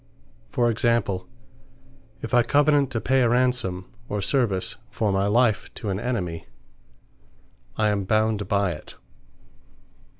For example, if I Covenant to pay a ransome, or service for my life, to an enemy; I am bound by it.